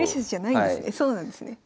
そうなんですね。